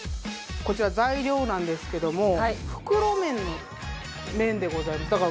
こちら材料なんですけども袋麺の麺でございます。